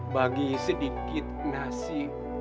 bagi sedikit nasi